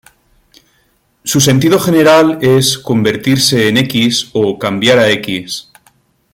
Su sentido general es "convertirse en X" o "cambiar a X".